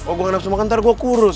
oh gua ga nafsu makan ntar gua kurus